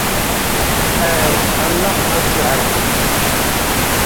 ГӀe, гьанна xӀy набчи хӀерхуд.